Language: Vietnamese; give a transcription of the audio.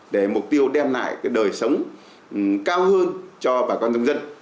để mục tiêu đem lại đời sống cao hơn cho bà con dân dân